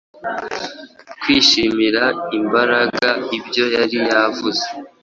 Kwishimira imbaragaibyo yari yavuze